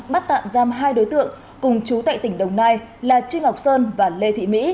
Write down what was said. bắt tạm giam hai đối tượng cùng chú tại tỉnh đồng nai là trương ngọc sơn và lê thị mỹ